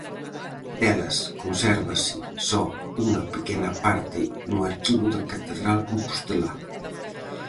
Delas consérvase só unha pequena parte no arquivo da catedral compostelá.